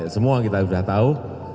semua kita sudah tahu